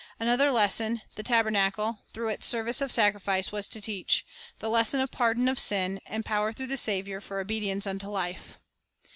Another lesson the tabernacle, through its service of sacrifice, was to teach, — the lesson of pardon of sin, and power through the Saviour for obedience unto life.